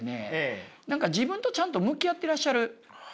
何か自分とちゃんと向き合ってらっしゃる。